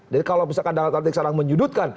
jadi kalau misalkan dalam konteks yang menyudutkan